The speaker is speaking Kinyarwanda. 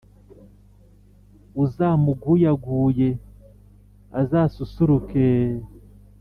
uzamuguyaguye, azasusurukeee